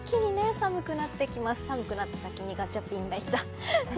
寒くなった先にガチャピンがいた。